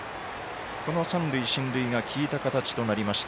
この三塁進塁が効いた形となりました。